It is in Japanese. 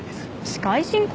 司会進行？